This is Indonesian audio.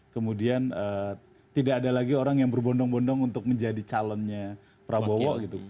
kemudian tidak ada lagi orang yang berbondong bondong untuk menjadi calonnya prabowo gitu